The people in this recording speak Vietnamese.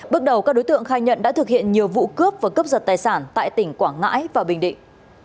bước đầu các đối tượng khai nhận đã thực hiện nhiều vụ cướp và cướp giật tài sản tại tỉnh quảng ngãi và bình định